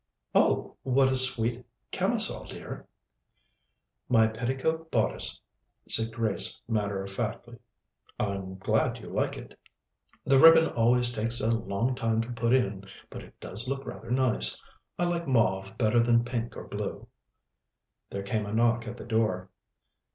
"Oh, what a sweet camisole, dear!" "My petticoat bodice," said Grace matter of factly. "I'm glad you like it. The ribbon always takes a long time to put in, but it does look rather nice. I like mauve better than pink or blue." There came a knock at the door.